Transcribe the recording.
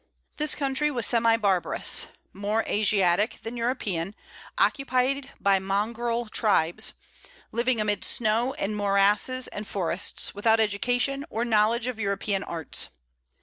This country was semi barbarous, more Asiatic than European, occupied by mongrel tribes, living amid snow and morasses and forests, without education, or knowledge of European arts.